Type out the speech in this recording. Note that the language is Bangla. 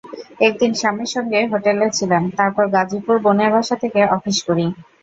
একদিন স্বামীর সঙ্গে হোটেলে ছিলাম, তারপর গাজীপুর বোনের বাসা থেকে অফিস করি।